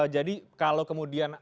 jadi kalau kemudian